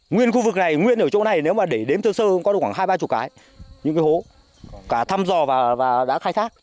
nguyên khu vực này nguyên ở chỗ này nếu mà để đếm tơ sơ cũng có được khoảng hai ba mươi cái những cái hố cả thăm dò và đã khai thác